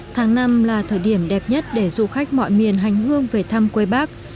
tháng năm là thời điểm đẹp nhất để du khách mọi miền hành hương về thăm quê bác